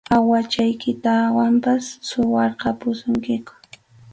Awuhachaykitawanpas suwarqapusunkiku.